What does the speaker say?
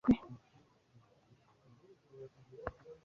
N'ubu mu mahanga baracyandilimba ibigwi